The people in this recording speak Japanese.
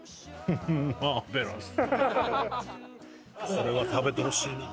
これは食べてほしいな。